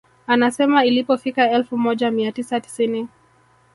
Anasema ilipofika elfu moja mia tisa tisini